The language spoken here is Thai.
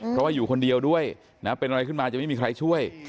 เพราะว่าอยู่คนเดียวด้วยนะเป็นอะไรขึ้นมาจะไม่มีใครช่วย